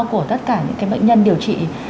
của tất cả những bệnh nhân điều trị